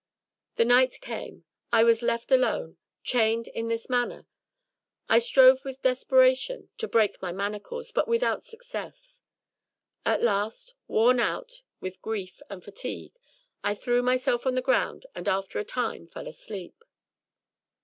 The night came. I was left alone, chained in this manner. I strove with desperation to break my manacles, but without success. At last, worn out with grief and fatigue, I threw myself on the ground and after a time fell asleep.